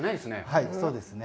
はい、そうですね。